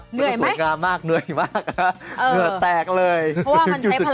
เหนื่อยไหมค่ะเนื้อแตกเลยจุดสุดยอด